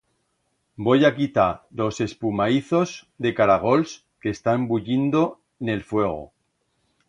Voi a quitar los espumaízos de los caragols que están bullindo n'el fuego.